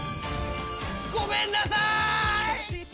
ごめんなさーい！！